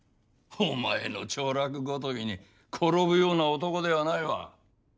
おまえの調略ごときに転ぶような男ではないわ。